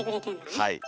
はい。